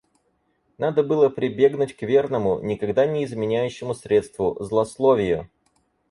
Надо было прибегнуть к верному, никогда не изменяющему средству — злословию.